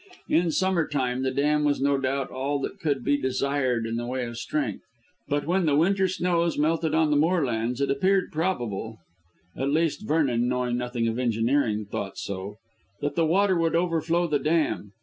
In summer time the dam was no doubt all that could be desired in the way of strength, but when the winter snows melted on the moorlands it appeared probable at least, Vernon, knowing nothing of engineering, thought so that the water would overflow the dam.